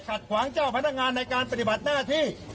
ขวางเจ้าพนักงานในการปฏิบัติหน้าที่